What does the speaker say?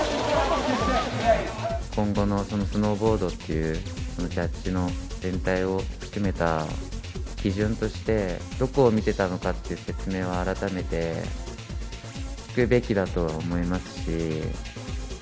今後のスノーボードっていう、ジャッジの全体を含めた基準として、どこを見てたのかっていう説明は、改めて聞くべきだとは思いますし。